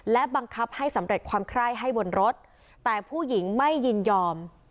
และบังคับให้สำเร็จความไคร้ให้บนรถแต่ผู้หญิงไม่ยินยอม